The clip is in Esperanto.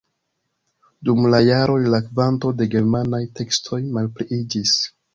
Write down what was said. Dum la jaroj la kvanto de germanaj tekstoj malpliiĝis.